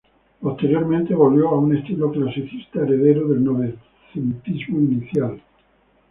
Posteriormente volvió a un estilo clasicista heredero del novecentismo inicial.